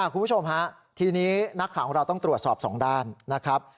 คุณผู้ชมฮะทีนี้นักข่าวของเราต้องตรวจสอบสองด้านนะครับ